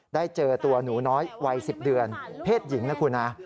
ได้เจอตัวหนูน้อยวัย๑๐เดือนเพศหญิงนะคุณนะ